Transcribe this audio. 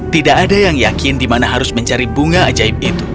tidak ada yang yakin di mana harus mencari bunga ajaib itu